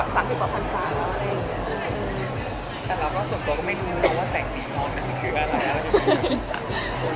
แต่ส่วนตัวไม่รู้เรื่องแสงปีน้องมันคืออะไรรึเปล่า